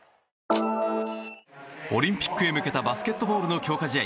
オリンピックへ向けたバスケットボールの強化試合。